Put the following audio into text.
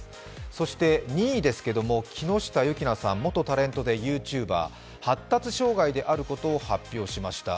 そして２位ですけど、木下優樹菜さん、元タレントでＹｏｕＴｕｂｅｒ、発達障害であることを発表しました。